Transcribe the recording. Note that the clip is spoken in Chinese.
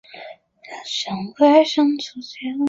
林立衡跑去大院的警卫处要求派士兵保护她的父亲。